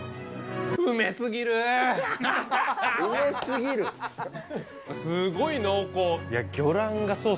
うめすぎるー。